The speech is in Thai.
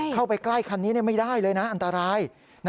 เข้าไปใกล้คันนี้ไม่ได้เลยนะอันตราย